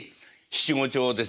七五調で。